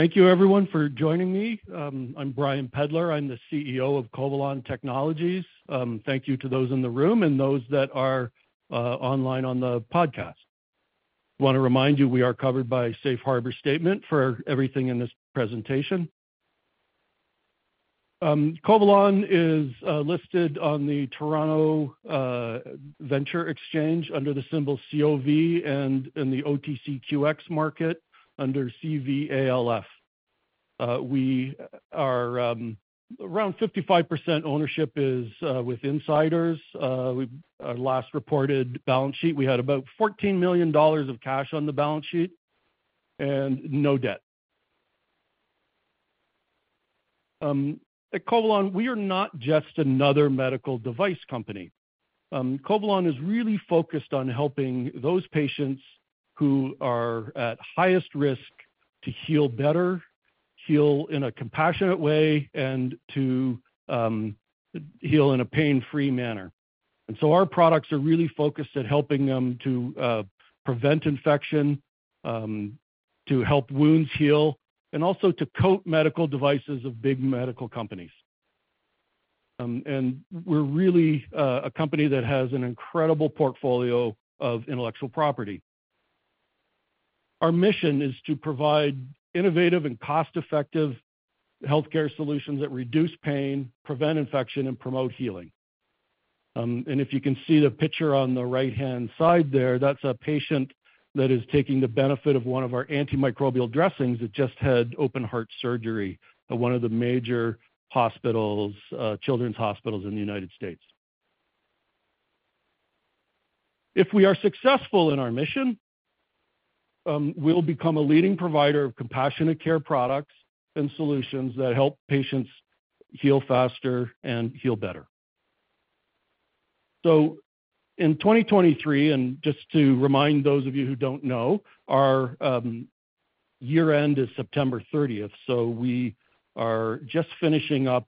Thank you everyone for joining me. I'm Brian Pedlar. I'm the CEO of Covalon Technologies. Thank you to those in the room and those that are online on the podcast. Wanna remind you, we are covered by a safe harbor statement for everything in this presentation. Covalon is listed on the TSX Venture Exchange under the symbol COV and in the OTCQX market under CVALF. We are around 55% ownership is with insiders. Our last reported balance sheet, we had about $14 million of cash on the balance sheet and no debt. At Covalon, we are not just another medical device company. Covalon is really focused on helping those patients who are at highest risk to heal better, heal in a compassionate way, and to heal in a pain-free manner. Our products are really focused at helping them to prevent infection, to help wounds heal, and also to coat medical devices of big medical companies. We're really a company that has an incredible portfolio of intellectual property. Our mission is to provide innovative and cost-effective healthcare solutions that reduce pain, prevent infection, and promote healing. If you can see the picture on the right-hand side there, that's a patient that is taking the benefit of one of our antimicrobial dressings that just had open heart surgery at one of the major hospitals, children's hospitals in the United States. If we are successful in our mission, we'll become a leading provider of compassionate care products and solutions that help patients heal faster and heal better. In 2023, and just to remind those of you who don't know, our year-end is September 30. We are just finishing up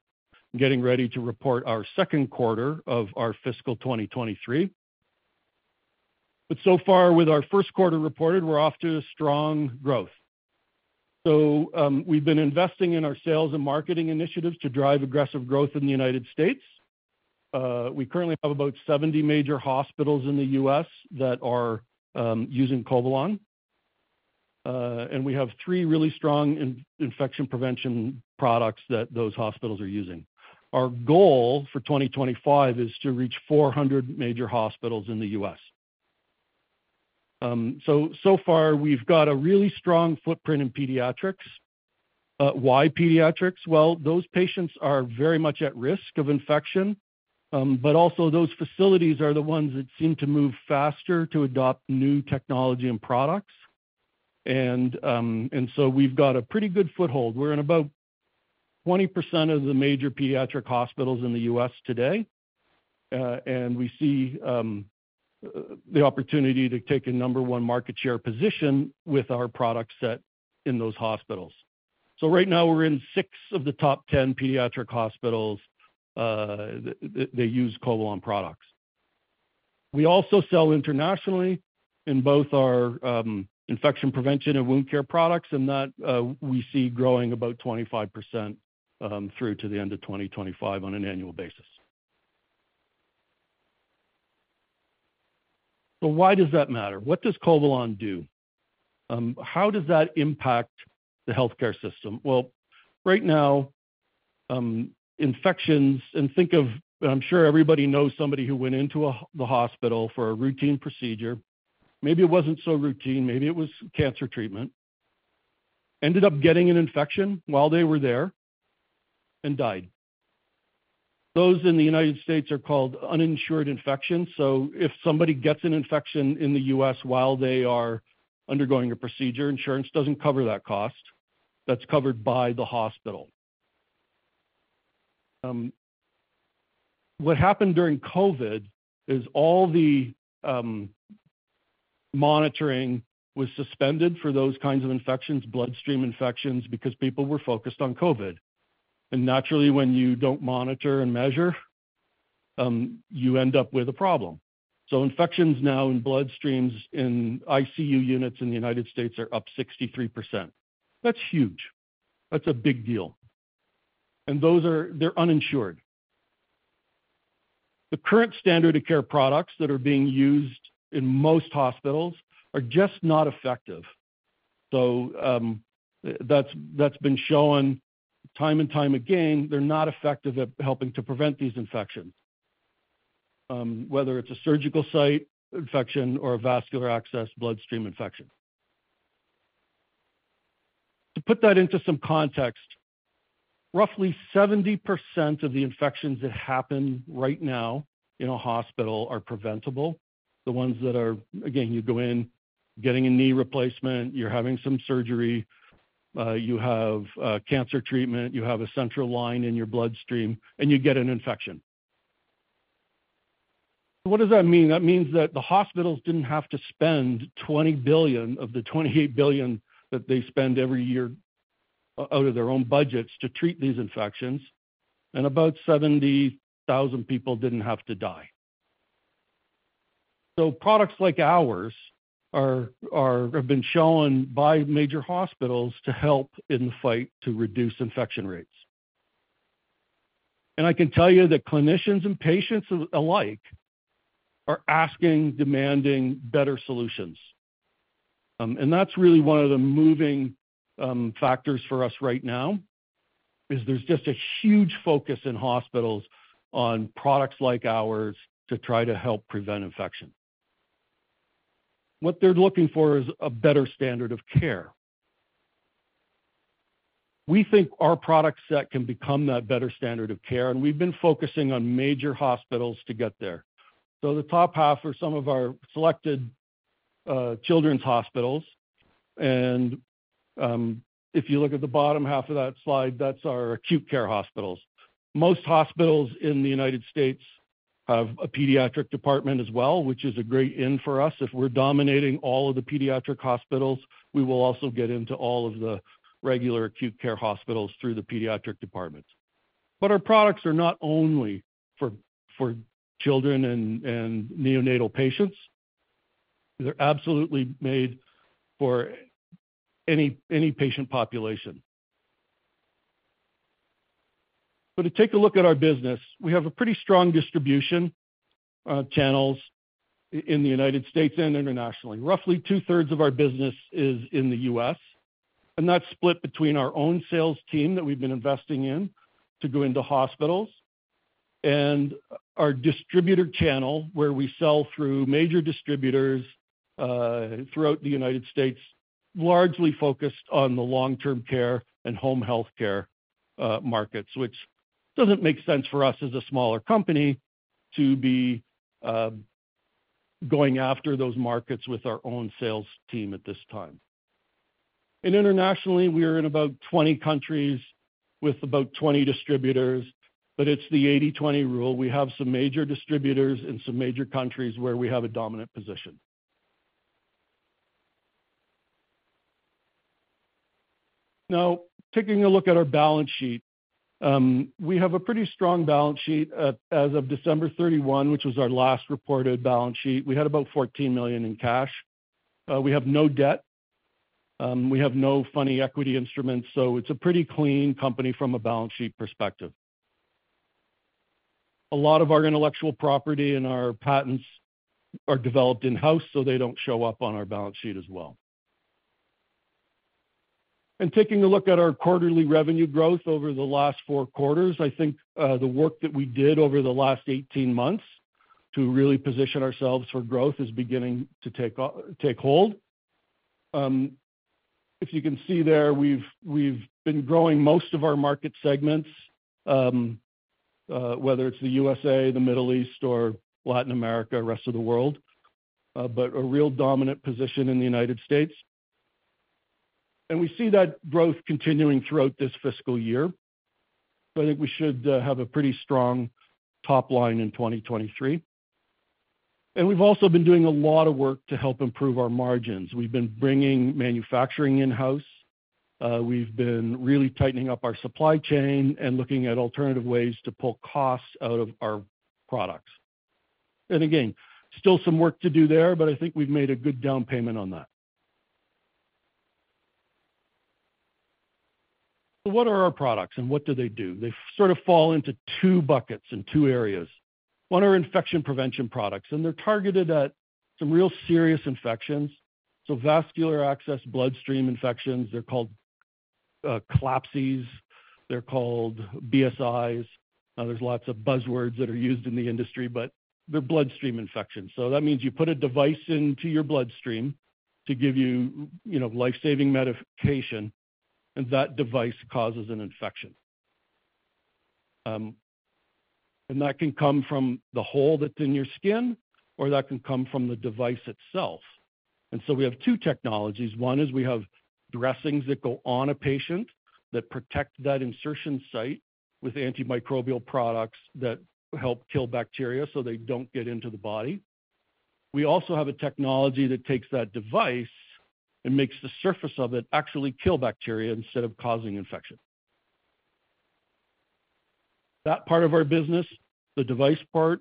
getting ready to report our Q2 of our fiscal 2023. So far, with our Q1 reported, we're off to a strong growth. We've been investing in our sales and marketing initiatives to drive aggressive growth in the United States. We currently have about 70 major hospitals in the U.S. that are using Covalon. We have three really strong in-infection prevention products that those hospitals are using. Our goal for 2025 is to reach 400 major hospitals in the U.S. So far, we've got a really strong footprint in pediatrics. Why pediatrics? Those patients are very much at risk of infection, but also those facilities are the ones that seem to move faster to adopt new technology and products. We've got a pretty good foothold. We're in about 20% of the major pediatric hospitals in the U.S. today. And we see the opportunity to take a number one market share position with our product set in those hospitals. Right now we're in six of the top 10 pediatric hospitals, they use Covalon products. We also sell internationally in both our infection prevention and wound care products, and that we see growing about 25% through to the end of 2025 on an annual basis. Why does that matter? What does Covalon do? How does that impact the healthcare system? Well, right now, infections. Think of... I'm sure everybody knows somebody who went into the hospital for a routine procedure. Maybe it wasn't so routine, maybe it was cancer treatment, ended up getting an infection while they were there and died. Those in the United States are called uninsured infections. If somebody gets an infection in the U.S. while they are undergoing a procedure, insurance doesn't cover that cost. That's covered by the hospital. What happened during COVID is all the monitoring was suspended for those kinds of infections, bloodstream infections, because people were focused on COVID. Naturally, when you don't monitor and measure, you end up with a problem. Infections now in bloodstreams in ICU units in the United States are up 63%. That's huge. That's a big deal. Those are they're uninsured. The current standard of care products that are being used in most hospitals are just not effective. That's been shown time and time again, they're not effective at helping to prevent these infections, whether it's a surgical site infection or a vascular access bloodstream infection. To put that into some context, roughly 70% of the infections that happen right now in a hospital are preventable. The ones that are, again, you go in, getting a knee replacement, you're having some surgery, you have a cancer treatment, you have a central line in your bloodstream, and you get an infection. What does that mean? That means that the hospitals didn't have to spend $20 billion of the $28 billion that they spend every year out of their own budgets to treat these infections, and about 70,000 people didn't have to die. Products like ours have been shown by major hospitals to help in the fight to reduce infection rates. I can tell you that clinicians and patients alike are asking, demanding better solutions. That's really one of the moving factors for us right now, is there's just a huge focus in hospitals on products like ours to try to help prevent infection. What they're looking for is a better standard of care. We think our product set can become that better standard of care, and we've been focusing on major hospitals to get there. The top 1/2 are some of our selected children's hospitals. If you look at the bottom 1/2 of that slide, that's our acute care hospitals. Most hospitals in the United States have a pediatric department as well, which is a great in for us. If we're dominating all of the pediatric hospitals, we will also get into all of the regular acute care hospitals through the pediatric departments. Our products are not only for children and neonatal patients. They're absolutely made for any patient population. To take a look at our business, we have a pretty strong distribution channels in the United States and internationally. Roughly 2/3 of our business is in the U.S., that's split between our own sales team that we've been investing in to go into hospitals, and our distributor channel, where we sell through major distributors throughout the United States, largely focused on the long-term care and home healthcare markets, which doesn't make sense for us as a smaller company to be going after those markets with our own sales team at this time. Internationally, we are in about 20 countries with about 20 distributors, but it's the 80/20 rule. We have some major distributors in some major countries where we have a dominant position. Taking a look at our balance sheet. We have a pretty strong balance sheet as of December 31, which was our last reported balance sheet. We had about $14 million in cash. We have no debt. We have no funny equity instruments, so it's a pretty clean company from a balance sheet perspective. A lot of our intellectual property and our patents are developed in-house, so they don't show up on our balance sheet as well. Taking a look at our quarterly revenue growth over the last four quarters, I think the work that we did over the last 18 months to really position ourselves for growth is beginning to take take hold. If you can see there, we've been growing most of our market segments, whether it's the USA, the Middle East or Latin America, rest of the world, but a real dominant position in the United States. We see that growth continuing throughout this fiscal year. I think we should have a pretty strong top line in 2023. We've also been doing a lot of work to help improve our margins. We've been bringing manufacturing in-house. We've been really tightening up our supply chain and looking at alternative ways to pull costs out of our products. Again, still some work to do there, but I think we've made a good down payment on that. What are our products and what do they do? They sort of fall into two buckets and two areas. One are infection prevention products, and they're targeted at some real serious infections. Vascular access bloodstream infections, they're called CLABSIs, they're called BSIs. There's lots of buzzwords that are used in the industry, but they're bloodstream infections. That means you put a device into your bloodstream to give you know, life-saving medication, and that device causes an infection. That can come from the hole that's in your skin or that can come from the device itself. We have two technologies. One is we have dressings that go on a patient that protect that insertion site with antimicrobial products that help kill bacteria, so they don't get into the body. We also have a technology that takes that device and makes the surface of it actually kill bacteria instead of causing infection. That part of our business, the device part,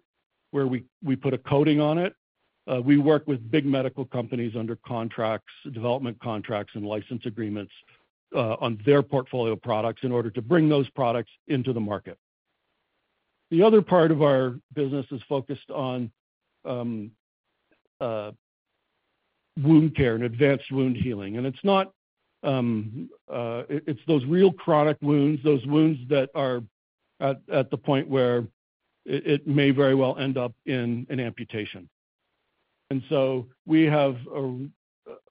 where we put a coating on it, we work with big medical companies under contracts, development contracts and license agreements, on their portfolio products in order to bring those products into the market. The other part of our business is focused on wound care and advanced wound healing. It's not... It's those real chronic wounds, those wounds that are at the point where it may very well end up in an amputation. We have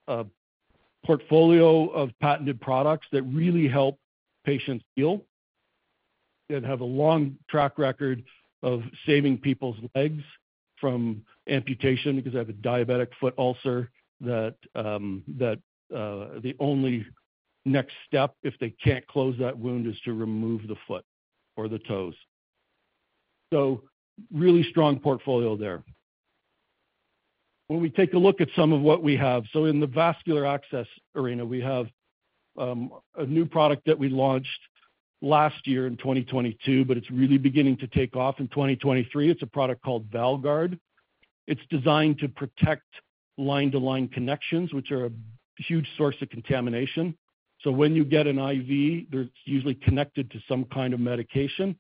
a portfolio of patented products that really help patients heal, that have a long track record of saving people's legs from amputation because they have a diabetic foot ulcer that the only next step if they can't close that wound is to remove the foot or the toes. Really strong portfolio there. When we take a look at some of what we have, so in the vascular access arena, we have a new product that we launched last year in 2022, but it's really beginning to take off in 2023. It's a product called VALguard. It's designed to protect line-to-line connections, which are a huge source of contamination. When you get an IV, they're usually connected to some kind of medication.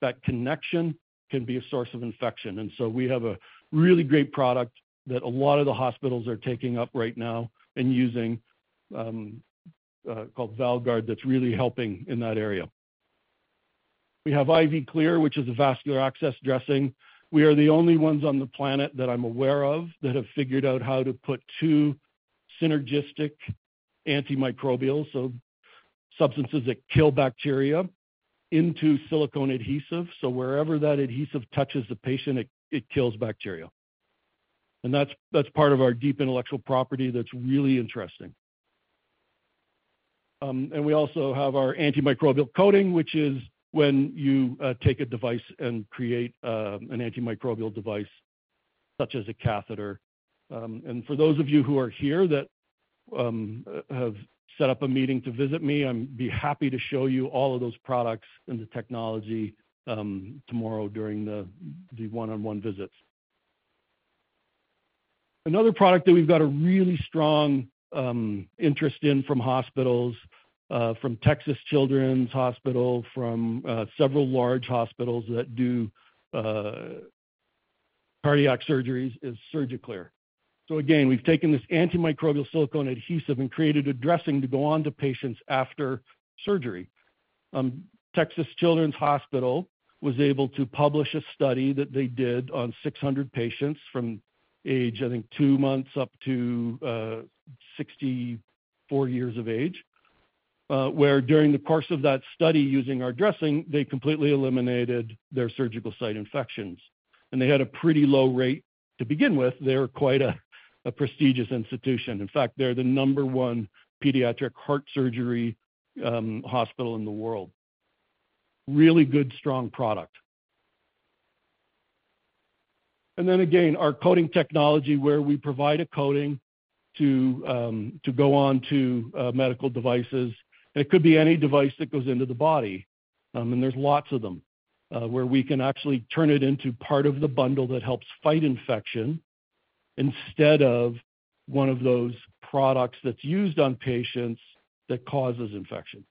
That connection can be a source of infection. We have a really great product that a lot of the hospitals are taking up right now and using, called VALGuard, that's really helping in that area. We have IV Clear, which is a vascular access dressing. We are the only ones on the planet that I'm aware of that have figured out how to put two synergistic antimicrobials, so substances that kill bacteria, into silicone adhesive. Wherever that adhesive touches the patient, it kills bacteria. That's part of our deep intellectual property that's really interesting. We also have our antimicrobial coating, which is when you take a device and create an antimicrobial device, such as a catheter. And for those of you who are here that have set up a meeting to visit me, I'd be happy to show you all of those products and the technology tomorrow during the one-on-one visits. Another product that we've got a really strong interest in from hospitals, from Texas Children's Hospital, from several large hospitals that do cardiac surgeries is SurgiClear. Again, we've taken this antimicrobial silicone adhesive and created a dressing to go on to patients after surgery. Texas Children's Hospital was able to publish a study that they did on 600 patients from age, I think two months up to 64 years of age, where during the course of that study using our dressing, they completely eliminated their surgical site infections. They had a pretty low rate to begin with. They're quite a prestigious institution. In fact, they're the number one pediatric heart surgery hospital in the world. Really good, strong product. Again, our coating technology where we provide a coating to go on to medical devices. It could be any device that goes into the body, and there's lots of them, where we can actually turn it into part of the bundle that helps fight infection instead of one of those products that's used on patients that causes infection.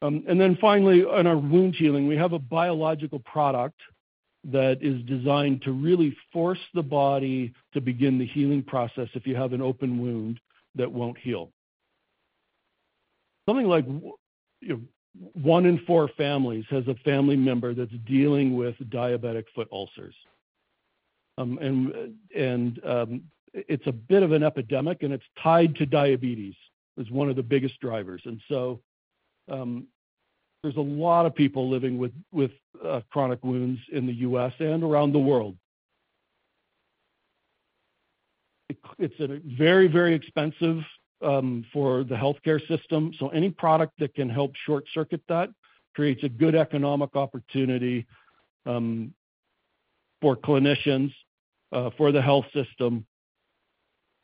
Finally, on our wound healing, we have a biological product that is designed to really force the body to begin the healing process if you have an open wound that won't heal. Something like one in four families has a family member that's dealing with diabetic foot ulcers. It's a bit of an epidemic, and it's tied to diabetes. It's one of the biggest drivers. There's a lot of people living with chronic wounds in the U.S. and around the world. It's a very, very expensive for the healthcare system. Any product that can help short-circuit that creates a good economic opportunity for clinicians, for the health system,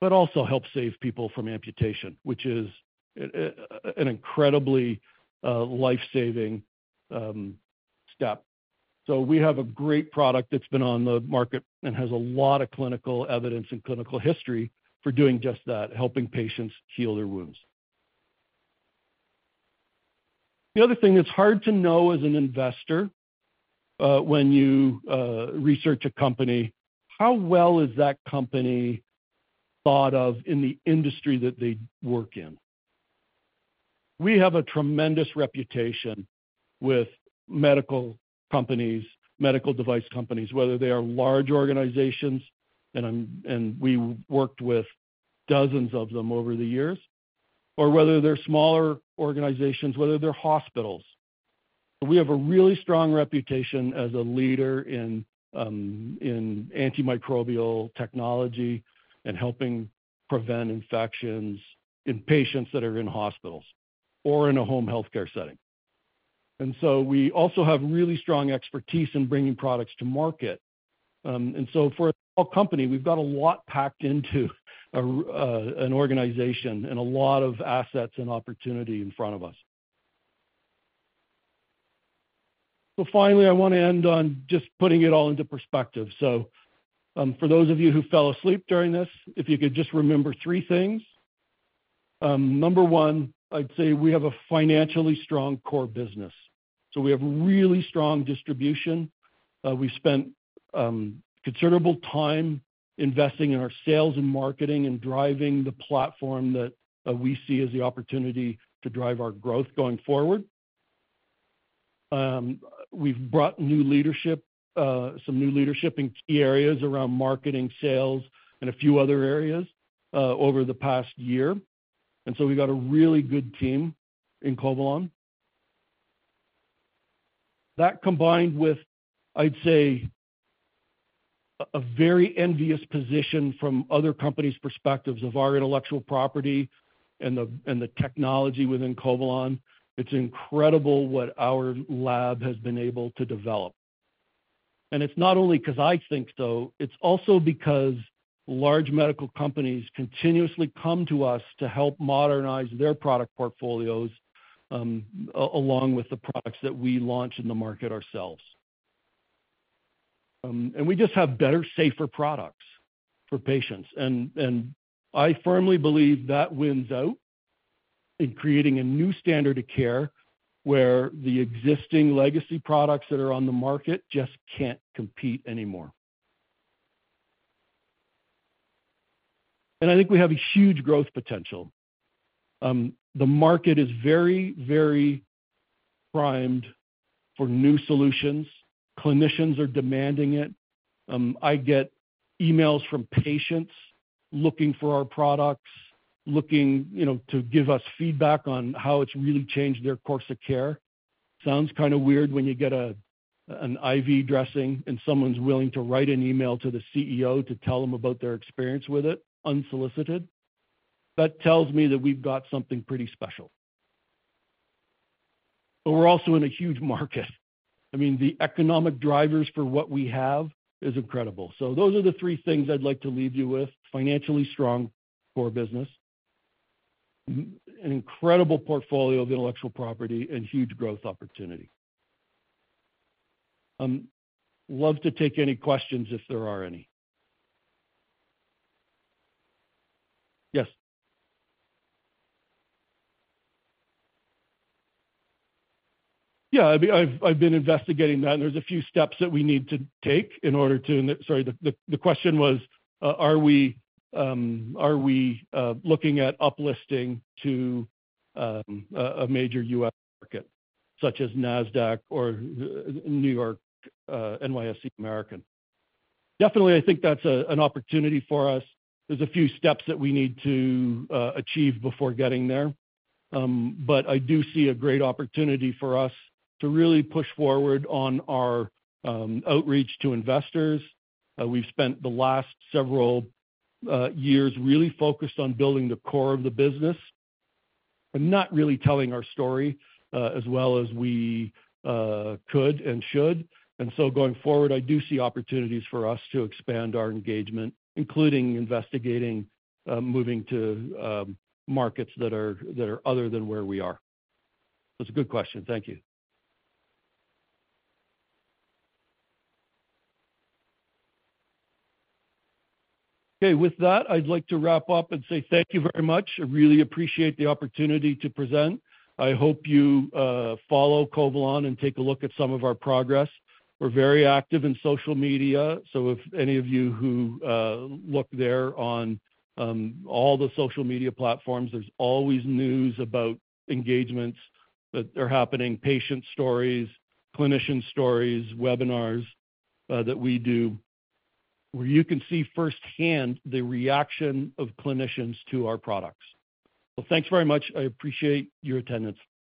but also helps save people from amputation, which is an incredibly life-saving step. We have a great product that's been on the market and has a lot of clinical evidence and clinical history for doing just that, helping patients heal their wounds. The other thing that's hard to know as an investor, when you research a company, how well is that company thought of in the industry that they work in? We have a tremendous reputation with medical companies, medical device companies, whether they are large organizations, and we worked with dozens of them over the years, or whether they're smaller organizations, whether they're hospitals. We have a really strong reputation as a leader in antimicrobial technology and helping prevent infections in patients that are in hospitals or in a home healthcare setting. We also have really strong expertise in bringing products to market. For a small company, we've got a lot packed into an organization and a lot of assets and opportunity in front of us. Finally, I want to end on just putting it all into perspective. For those of you who fell asleep during this, if you could just remember three things. Number one, I'd say we have a financially strong core business. We have really strong distribution. We spent considerable time investing in our sales and marketing and driving the platform that we see as the opportunity to drive our growth going forward. We've brought new leadership, some new leadership in key areas around marketing, sales, and a few other areas over the past year. We've got a really good team in Covalon. That combined with, I'd say, a very envious position from other companies' perspectives of our intellectual property and the, and the technology within Covalon. It's incredible what our lab has been able to develop. It's not only 'cause I think so, it's also because large medical companies continuously come to us to help modernize their product portfolios, along with the products that we launch in the market ourselves. We just have better, safer products for patients. I firmly believe that wins out in creating a new standard of care where the existing legacy products that are on the market just can't compete anymore. I think we have a huge growth potential. The market is very, very primed for new solutions. Clinicians are demanding it. I get emails from patients looking for our products, looking, you know, to give us feedback on how it's really changed their course of care. Sounds kinda weird when you get a, an IV dressing and someone's willing to write an email to the CEO to tell them about their experience with it unsolicited. That tells me that we've got something pretty special. We're also in a huge market. I mean, the economic drivers for what we have is incredible. Those are the three things I'd like to leave you with: financially strong core business, an incredible portfolio of intellectual property, and huge growth opportunity. Love to take any questions if there are any. Yes. Yeah, I've been investigating that, and there's a few steps that we need to take. Sorry. The question was, are we looking at up listing to a major U.S. market such as Nasdaq or New York, NYSE American? Definitely, I think that's an opportunity for us. There's a few steps that we need to achieve before getting there. I do see a great opportunity for us to really push forward on our outreach to investors. We've spent the last several years really focused on building the core of the business and not really telling our story as well as we could and should. Going forward, I do see opportunities for us to expand our engagement, including investigating, moving to markets that are, that are other than where we are. That's a good question. Thank you. Okay. With that, I'd like to wrap up and say thank you very much. I really appreciate the opportunity to present. I hope you follow Covalon and take a look at some of our progress. We're very active in social media, so if any of you who, look there on, all the social media platforms, there's always news about engagements that are happening, patient stories, clinician stories, webinars, that we do, where you can see firsthand the reaction of clinicians to our products. Thanks very much. I appreciate your attendance.